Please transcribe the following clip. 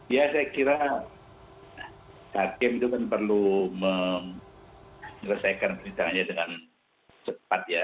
ya saya kira hakim itu kan perlu menyelesaikan perbincangannya dengan cepat ya